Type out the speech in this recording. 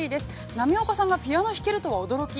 波岡さんが、ピアノを弾けるとは、驚き。